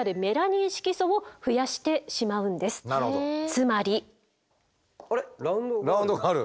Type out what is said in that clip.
つまり。ラウンドガール。